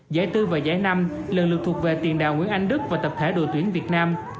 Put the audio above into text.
giải bốn và giải năm lần lượt thuộc về tiền đạo nguyễn anh đức và tập thể đội tuyển việt nam